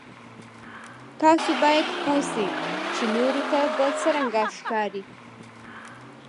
تاسو باید پوه شئ چې نورو ته به څرنګه ښکارئ.